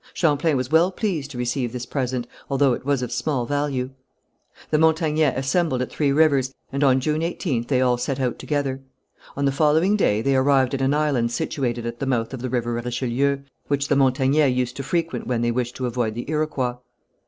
Champlain was well pleased to receive this present, although it was of small value. The Montagnais assembled at Three Rivers, and on June 18th they all set out together. On the following day they arrived at an island situated at the mouth of the river Richelieu, which the Montagnais used to frequent when they wished to avoid the Iroquois.